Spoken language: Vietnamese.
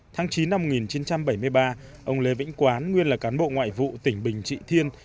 tháng chín năm một nghìn chín trăm bảy mươi ba ông lê vĩnh quán nguyên là cán bộ ngoại vụ tỉnh bình trị thiên